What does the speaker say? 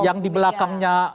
yang di belakangnya